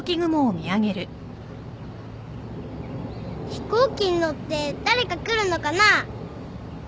飛行機に乗って誰か来るのかな？